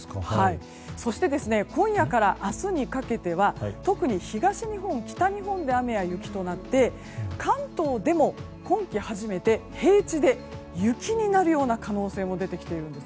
そして、今夜から明日にかけては特に東日本、北日本で雨や雪となって関東でも今季初めて平地で雪になるような可能性も出てきているんです。